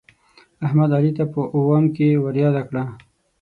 احمد، علي ته په اوم کې ورياده کړه.